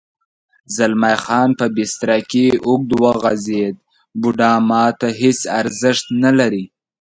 زلمی خان په بستره کې اوږد وغځېد: بوډا ما ته هېڅ ارزښت نه لري.